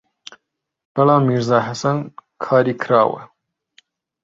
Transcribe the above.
بەڵام «میرزا حەسەن» کاری کراوە